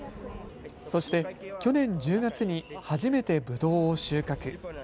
そして、去年１０月に初めてぶどうを収穫。